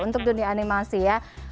untuk dunia animasi ya